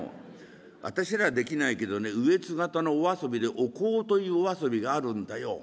私らできないけどね上つ方のお遊びでお香というお遊びがあるんだよ。